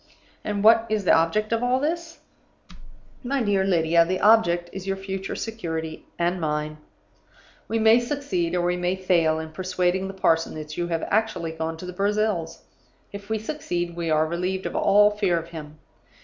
"And what is the object of all this? "My dear Lydia, the object is your future security (and mine). We may succeed or we may fail, in persuading the parson that you have actually gone to the Brazils. If we succeed, we are relieved of all fear of him.